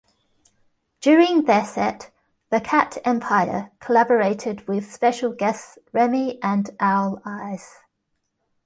During their set, the Cat Empire collaborated with special guests Remi and Owl Eyes.